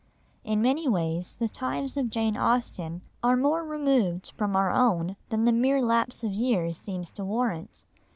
In many ways the times of Jane Austen are more removed from our own than the mere lapse of years seems to warrant.